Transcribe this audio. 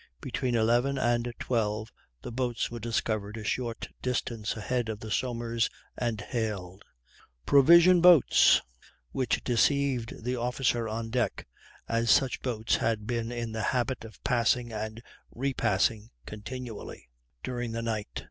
Between 11 and 12 the boats were discovered a short distance ahead of the Somers and hailed. They answered "provision boats," which deceived the officer on deck, as such boats had been in the habit of passing and repassing continually during the night.